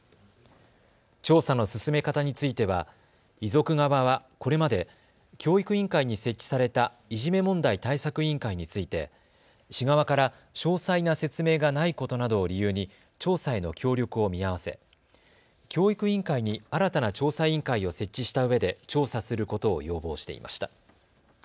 調査の進め方については遺族側は、これまで教育委員会に設置されたいじめ問題対策委員会について市側から詳細な説明がないことなどを理由に調査への協力を見合わせ教育委員会に新たな調査委員会を設置したうえで調査することを要望していました。